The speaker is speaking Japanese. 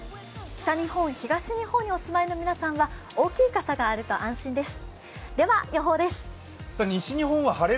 北日本、東日本にお住まいの皆さんは大きいかさがあると安心です。